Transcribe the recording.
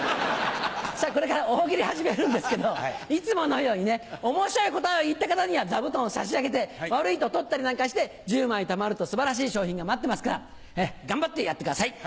さぁこれから大喜利始めるんですけどいつものようにね面白い答えを言った方には座布団を差し上げて悪いと取ったりなんかして１０枚たまると素晴らしい賞品が待ってますから頑張ってやってください。